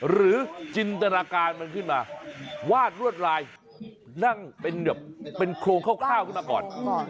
จินตนาการมันขึ้นมาวาดลวดลายนั่งเป็นโครงคร่าวขึ้นมาก่อน